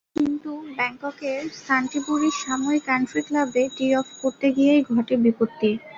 কিন্তু ব্যাংককের সান্টিবুরি সামুই কান্ট্রি ক্লাবে টি-অফ করতে গিয়েই ঘটে বিপত্তি।